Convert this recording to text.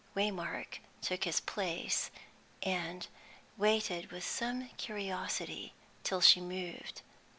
Waymark took his place and waited with some curiosity till she moved.